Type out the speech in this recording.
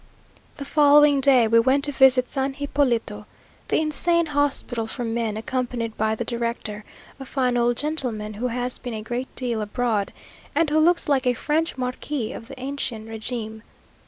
The following day we went to visit San Hipólito, the insane hospital for men, accompanied by the director, a fine old gentleman, who has been a great deal abroad, and who looks like a French marquis of the ancien regime.